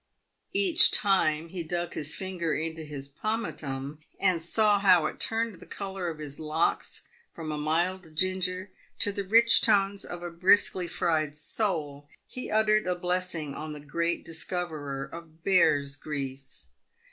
Each time he dug his finger into his pomatum, and saw how it turned the colour of his locks from a mild ginger to the rich tones of a briskly fried sole, he uttered a blessing on the great discoverer of bear's grease.